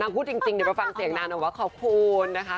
พูดจริงเดี๋ยวไปฟังเสียงนางหน่อยว่าขอบคุณนะคะ